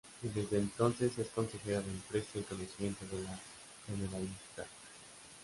Y desde entonces, es Consejera de Empresa y Conocimiento de la Generalitat.